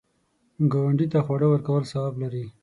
ګاونډي ته خواړه ورکول ثواب لري